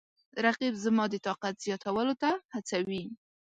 رقیب زما د طاقت زیاتولو ته هڅوي